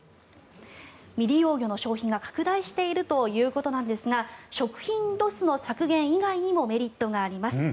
未利用魚の消費が拡大しているということなんですが食品ロスの削減以外にもメリットがあります。